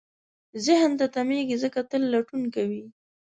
ذهن نه تمېږي، ځکه تل لټون کوي.